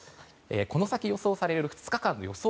この先、予想される２日間の予想